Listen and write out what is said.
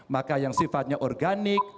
maka yang sifatnya organik